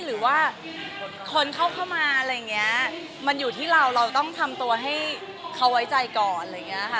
หรือว่าคนเข้ามาอะไรอย่างนี้มันอยู่ที่เราเราต้องทำตัวให้เขาไว้ใจก่อนอะไรอย่างนี้ค่ะ